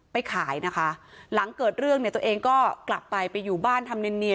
ไปขายนะคะหลังเกิดเรื่องเนี่ยตัวเองก็กลับไปไปอยู่บ้านทำเนียน